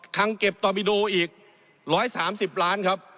ทางเก็บตอบิโดอีกร้อยสามสิบล้านครับ